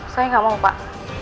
saya gak mau pak